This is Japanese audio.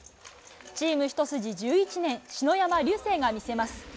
チーム一筋１１年、篠山竜青が見せます。